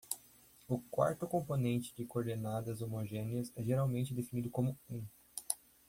O quarto componente de coordenadas homogêneas é geralmente definido como um.